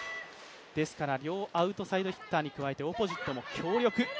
ですから、両アウトサイドヒッターに加えてオポジットも強力。